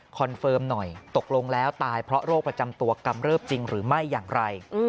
เฟิร์มหน่อยตกลงแล้วตายเพราะโรคประจำตัวกำเริบจริงหรือไม่อย่างไร